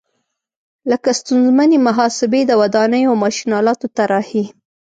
لکه ستونزمنې محاسبې، د ودانیو او ماشین آلاتو طراحي.